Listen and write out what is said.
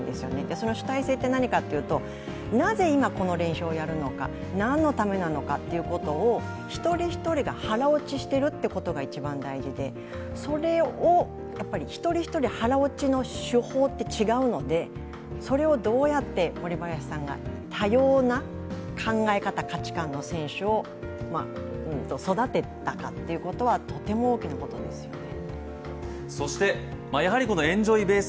その主体性って何かというと、なぜ今この練習をやるのか、何のためなのか一人一人が腹落ちしていることが一番大事で、それを一人一人腹落ちの手法って違うので、それをどうやって森林さんが多様な考え方、価値観の選手を育てたかということは、とても大きなことですよね。